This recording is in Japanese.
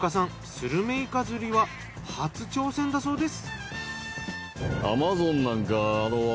スルメイカ釣りは初挑戦だそうです。